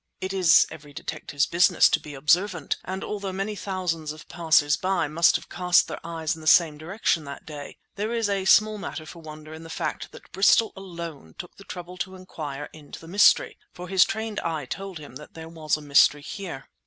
It is every detective's business to be observant, and although many thousands of passersby must have cast their eyes in the same direction that day, there is small matter for wonder in the fact that Bristol alone took the trouble to inquire into the mystery—for his trained eye told him that there was a mystery here.